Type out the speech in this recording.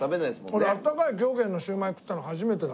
俺あったかい崎陽軒のシウマイ食ったの初めてだね。